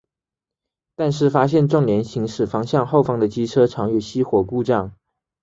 但是发现重联行驶方向后方的机车常有熄火故障。